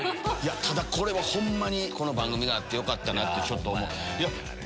ただこれホンマにこの番組があってよかったって思う。